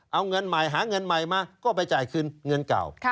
เอาเงินใหม่หาเงินใหม่มาก็ไปจ่ายคืนเงินเก่า